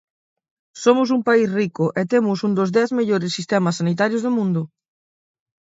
Somos un país rico e temos un dos dez mellores sistemas sanitarios do mundo.